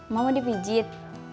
mama mau dipijit